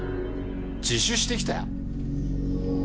自首してきた！？